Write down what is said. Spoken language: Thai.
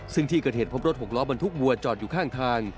ซึ่งที่เกิดเหตุพบรถหกล้อบรรทุกวัวจอดอยู่ข้างทาง